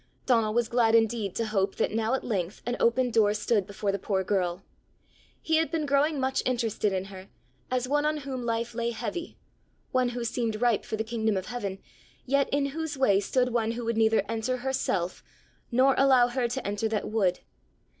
Donal was glad indeed to hope that now at length an open door stood before the poor girl. He had been growing much interested in her, as one on whom life lay heavy, one who seemed ripe for the kingdom of heaven, yet in whose way stood one who would neither enter herself, nor allow her to enter that would.